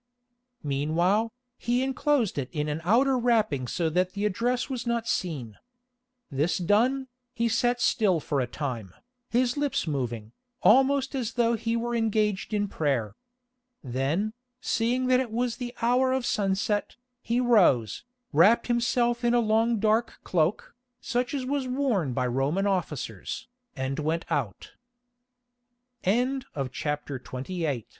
Meanwhile, he enclosed it in an outer wrapping so that the address was not seen. This done, he sat still for a time, his lips moving, almost as though he were engaged in prayer. Then, seeing that it was the hour of sunset, he rose, wrapped himself in a long dark cloak, such as was worn by Roman officers, and went out. CHAPTER XXIX HOW MARCUS CHA